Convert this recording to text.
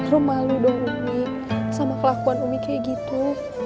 ru malu dong umi sama kelakuan umi kayak gitu